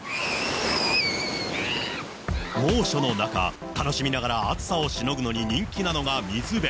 猛暑の中、楽しみながら暑さをしのぐのに人気なのが水辺。